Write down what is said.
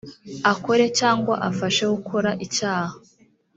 akore cyangwa afashe gukora icyaha